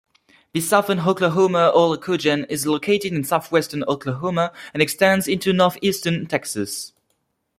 The Southern Oklahoma Aulacogen is located in southwestern Oklahoma and extends into northeastern Texas.